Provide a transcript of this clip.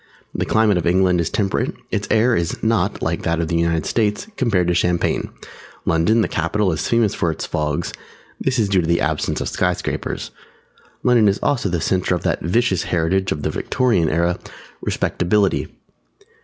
The climate of England is temperate. Its air is not, like that of the United States, compared to champagne. London, the capital, is famous for its fogs; this is due to the absence of Sky Scrapers. London is also the centre of that vicious heritage of the Victorian Era, Respectability.